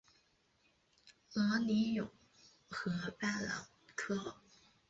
罗尼永河畔朗科。